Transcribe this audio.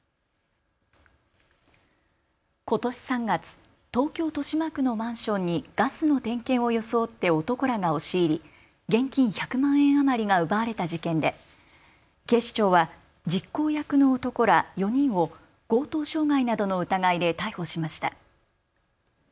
ことし３月、東京豊島区のマンションにガスの点検を装って男らが押し入り現金１００万円余りが奪われた事件で警視庁は実行役の男ら４人を強盗傷害などの疑いで逮捕しました。